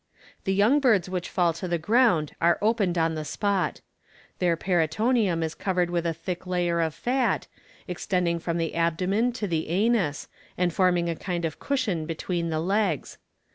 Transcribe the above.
The young birds which fall to the ground are opened on the spot. Their peritoneum is covered with a thick layer of fat, extending from the abdomen to the anus, and forming a kind of cushion between the legs.